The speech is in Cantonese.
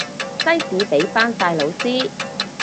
西史畀返晒老師